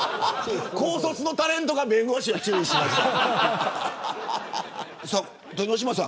高卒のタレントが弁護士を注意しました。